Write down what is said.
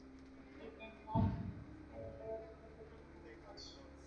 এই প্রেম লাভ করাই সর্বাপেক্ষা কঠিন ও মহৎ কাজ।